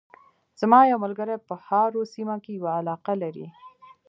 زما یو ملګری په هارو سیمه کې یوه علاقه لري